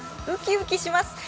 うきうきします。